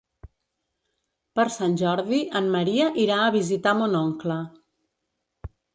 Per Sant Jordi en Maria irà a visitar mon oncle.